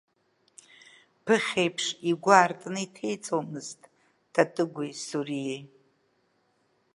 Ԥыхьеиԥш игәы аартны иҭеиҵомызт Татыгәи Суриеи.